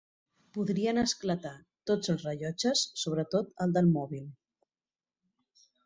Podrien esclatar tots els rellotges, sobretot el del mòbil.